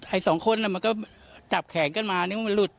สองคนมันก็จับแขนกันมานึกว่ามันหลุด